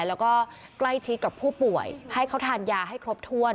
แล้วก็ใกล้ชิดกับผู้ป่วยให้เขาทานยาให้ครบถ้วน